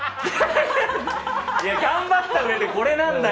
頑張ったうえでこれなんだよ！